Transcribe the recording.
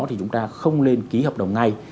thì chúng ta không nên ký hợp đồng ngay